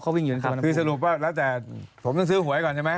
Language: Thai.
เขาวิ่งอยู่ในสวนคือสรุปว่าแล้วแต่ผมต้องซื้อหวยก่อนใช่ไหม